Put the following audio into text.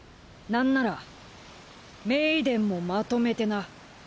なんならメイデンもまとめてな。